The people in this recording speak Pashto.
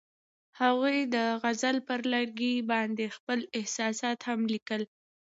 هغوی د غزل پر لرګي باندې خپل احساسات هم لیکل.